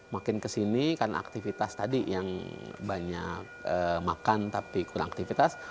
makin kesini karena aktivitas tadi yang banyak makan tapi kurang aktivitas